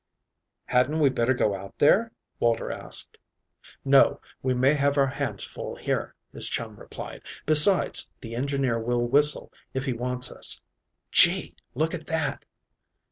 "Hadn't we better go out there?" Walter asked. "No, we may have our hands full here," his chum replied. "Besides, the engineer will whistle if he wants us. Gee, look at that!"